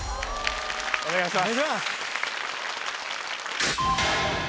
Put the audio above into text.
お願いします